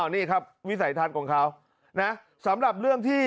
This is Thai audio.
นี่ครับวิสัยทัศน์ของเขานะสำหรับเรื่องที่